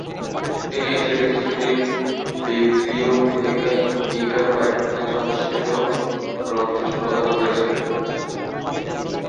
তিনি এশিয়াটিক সোসাইটির 'বিবলিওথেকা ইন্ডিকা'র কয়েকখানি সংস্কৃত গ্রন্থ সম্পাদনা করেছিলেন।